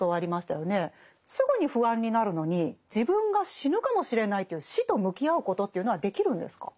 すぐに不安になるのに自分が死ぬかもしれないという死と向き合うことというのはできるんですか？